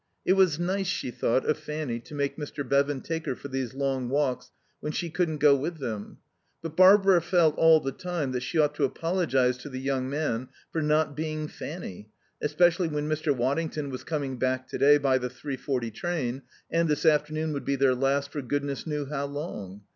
It was nice, she thought, of Fanny to make Mr. Bevan take her for these long walks when she couldn't go with them; but Barbara felt all the time that she ought to apologize to the young man for not being Fanny, especially when Mr. Waddington was coming back to day by the three forty train and this afternoon would be their last for goodness knew how long.